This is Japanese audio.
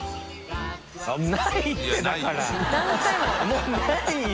もうないよ！